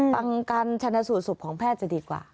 ต่างกันชันศูนย์สูบของแพทย์จะดีกว่า